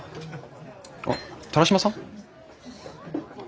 あっ田良島さん？